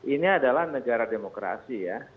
ini adalah negara demokrasi ya